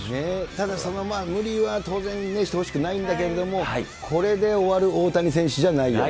ただ無理は当然、してほしくはないんだけど、これで終わる大谷選手じゃないよね。